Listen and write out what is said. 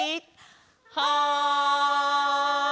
はい！